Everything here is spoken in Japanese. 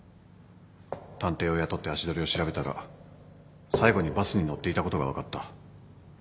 探偵を雇って足取りを調べたら最後にバスに乗っていたことが分かった。